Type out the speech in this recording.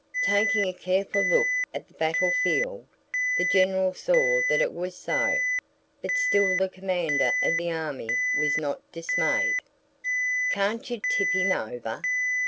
Taking a careful look at the battle field, the General saw that it was so. But still the commander of the army was not dismayed. "Can't you tip him over?"